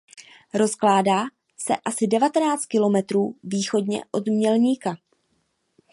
Rozkládá se asi devatenáct kilometrů východně od Mělníka.